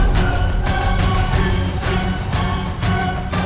biar kami menghadapinya